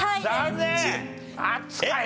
残念！